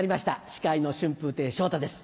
司会の春風亭昇太です